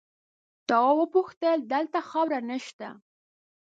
تواب وپوښتل دلته خاوره نه شته؟